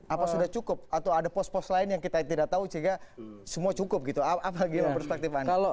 apa sudah cukup atau ada pos pos lain yang kita tidak tahu sehingga semua cukup gitu apa gimana perspektif anda